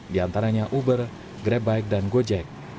di antaranya uber grab bike dan gojek